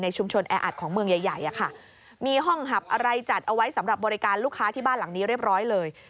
ชุมชนแออัดของเมืองใหญ่อะค่ะมีห้องหับอะไรจัดเอาไว้สำหรับบริการลูกค้าที่บ้านหลังนี้เรียบร้อยเลย